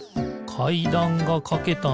かいだんがかけたね。